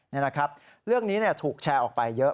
นี่นะครับเรื่องนี้ถูกแชร์ออกไปเยอะ